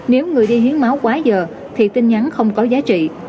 nếu người đi hiến máu quá giờ thì tin nhắn không có giá trị